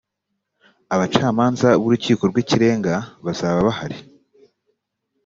abacamanza b urukiko rw ikirenga bazaba bahari